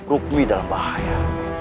rukmi tidak bahaya